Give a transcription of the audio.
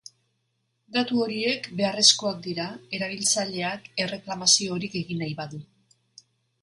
Datu horiek beharrezkoak dira erabiltzaileak erreklamaziorik egin nahi badu.